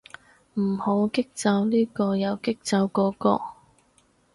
唔好激走呢個又激走嗰個